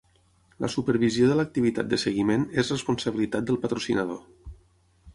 La supervisió de l'activitat de seguiment és responsabilitat del patrocinador.